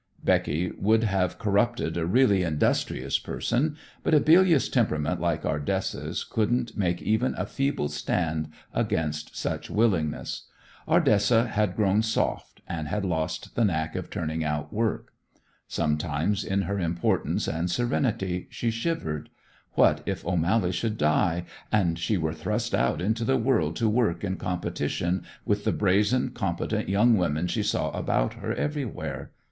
Becky would have corrupted a really industrious person, but a bilious temperament like Ardessa's couldn't make even a feeble stand against such willingness. Ardessa had grown soft and had lost the knack of turning out work. Sometimes, in her importance and serenity, she shivered. What if O'Mally should die, and she were thrust out into the world to work in competition with the brazen, competent young women she saw about her everywhere?